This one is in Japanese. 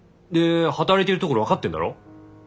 で働いてるところ分かってんだろ？